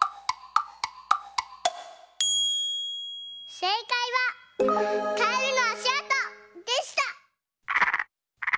せいかいは「カエルのあしあと」でした！